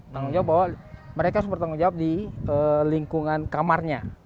tanggung jawab bahwa mereka harus bertanggung jawab di lingkungan kamarnya